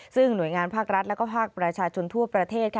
ซึ่งหน่วยงานภาครัฐและภาคประชาชนทั่วประเทศ